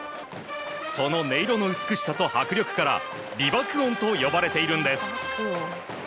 その音色の美しさと迫力から美爆音と呼ばれているんです。